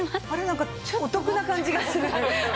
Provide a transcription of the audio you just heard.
なんかお得な感じがする。